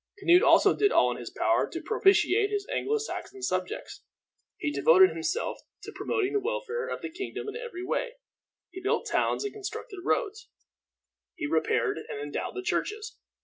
Canute also did all in his power to propitiate his Anglo Saxon subjects. He devoted himself to promoting the welfare of the kingdom in every way. He built towns, he constructed roads, he repaired and endowed the churches.